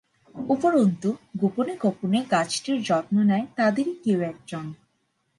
উপরন্তু, গোপনে গোপনে গাছটির যত্ন নেয় তাদেরই কেউ এক জন।